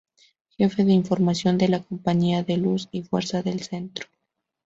Jefe de Información de la Compañía de Luz y Fuerza del Centro.